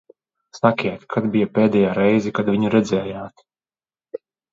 Sakiet, kad bija pēdējā reize, kad viņu redzējāt?